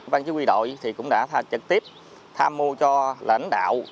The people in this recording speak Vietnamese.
ban chứa quy đội cũng đã trực tiếp tham mô cho lãnh đạo